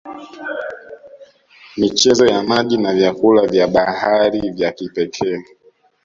Michezo ya maji na vyakula vya bahari vya kipekee